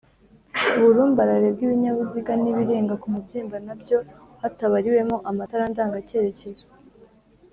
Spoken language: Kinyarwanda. uburumbarare bw’ibinyabiziga n’ibirenga kumubyimba nabyo hatabariwemo amatara ndanga cyerekezo